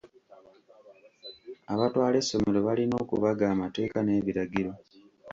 Abatwala essomero balina okubaga amateeka n'ebiragiro.